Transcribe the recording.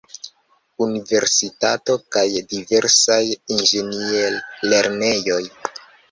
Universitato kaj diversaj inĝenier-lernejoj.